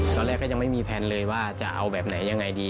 ก็ยังไม่มีแพลนเลยว่าจะเอาแบบไหนยังไงดี